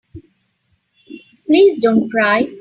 Please don't cry.